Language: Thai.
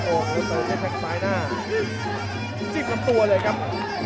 โอ้โหเติมให้แท่งสายหน้าจิบกับตัวเลยครับ